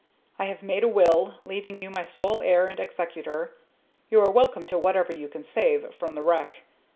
I have made a will, leaving you my sole heir and executor. You are welcome to whatever you can save from the wreck.